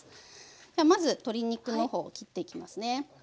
まず鶏肉の方切っていきますね。